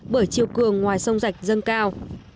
bởi chiều cường ngoài sông rạch dâng cao